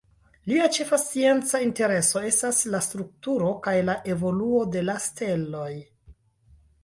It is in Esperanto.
Lia ĉefa scienca intereso estas la strukturo kaj la evoluo de la steloj.